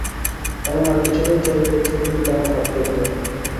এমন আর কিছুদিন চললেই ছুটি নিতে আমার হাত পেকে যাবে।